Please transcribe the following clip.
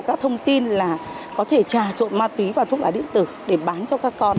đã thông tin là có thể trà trộn ma túy và thuốc lá định tử để bán cho các con